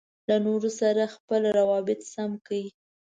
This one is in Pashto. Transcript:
له نورو سره خپل روابط سم کړو.